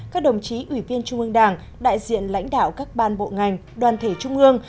các đồng chí ủy viên trung ương đảng đại diện lãnh đạo các ban bộ ngành đoàn thể trung ương